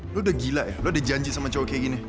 lo udah gila ya lo udah janji sama cowok kayak gini